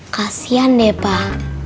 kasian deh pak